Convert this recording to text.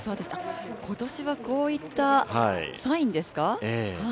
今年はこういったサインですか？